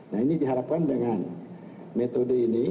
nah ini diharapkan dengan metode ini